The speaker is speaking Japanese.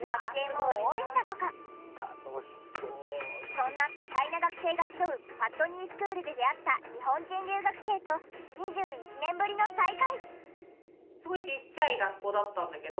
そんな多彩な学生が集うパットニースクールで出会った日本人留学生と２１年ぶりの再会。